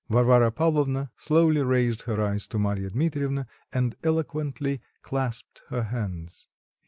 Varvara Pavlovna slowly raised her eyes to Marya Dmitrievna, and eloquently clasped her hands.